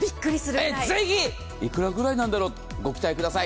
ぜひ、いくらぐらいなんだろうご期待ください。